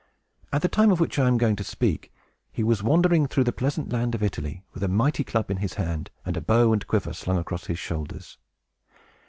At the time of which I am going to speak, he was wandering through the pleasant land of Italy, with a mighty club in his hand, and a bow and quiver slung across his shoulders.